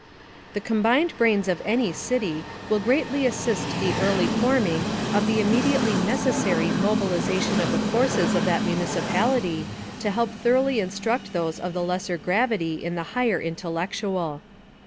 The combined brains of any City will greatly assist the early forming of the immediately necessary mobilization of the forces of that municipality: To help thoroughly instruct those of the lesser gravity in the higher intellec tual.